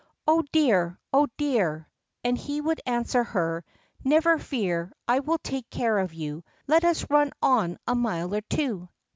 Oh, dear! oh, dear!" And he would answer her: "Never fear; I will take care of you. Let us run on a mile or two.